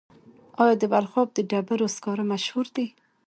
آیا د بلخاب د ډبرو سکاره مشهور دي؟